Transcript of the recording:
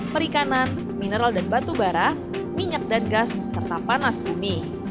perikanan mineral dan batu bara minyak dan gas serta panas bumi